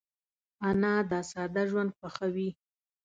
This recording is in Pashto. انا د ساده ژوند خوښوي